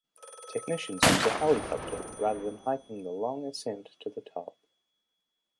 Technicians use a helicopter rather than hiking the long ascent to the top.